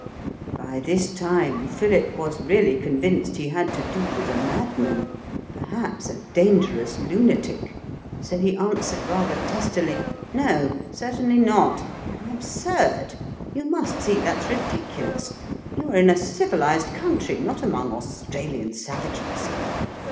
By this time Philip was really convinced he had to do with a madman perhaps a dangerous lunatic. So he answered rather testily, "No, certainly not; how absurd! you must see that's ridiculous. You're in a civilised country, not among Australian savages.